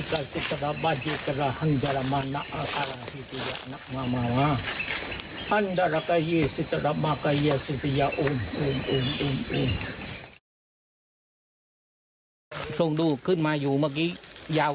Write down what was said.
เขาให้แต่กำลังเขาอ่อนเขาขึ้นมาไม่ได้